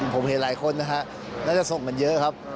ผมเห็นหลายคนนะฮะน่าจะส่งกันเยอะครับ